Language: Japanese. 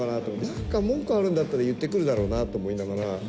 なんか文句あるんだったら、言ってくるだろうなと思いながら。